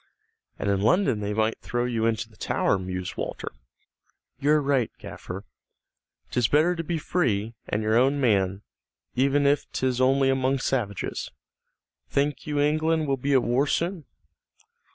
"And in London they might throw you into the Tower," mused Walter. "You're right, gaffer. 'Tis better to be free, and your own man, even if 'tis only among savages. Think you England will be at war soon?"